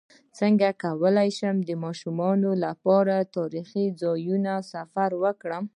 څنګه کولی شم د ماشومانو لپاره د تاریخي ځایونو سفر وکړم